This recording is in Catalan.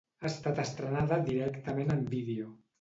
Ha estat estrenada directament en vídeo.